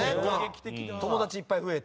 友達いっぱい増えて？